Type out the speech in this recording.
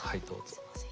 すいません。